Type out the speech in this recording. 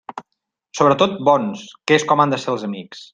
Sobretot bons, que és com han de ser els amics.